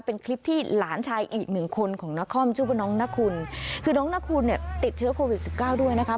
เป็นคลิปที่หลานชายอีกหนึ่งคนของนครชื่อว่าน้องนาคุณคือน้องนาคุณเนี่ยติดเชื้อโควิดสิบเก้าด้วยนะคะ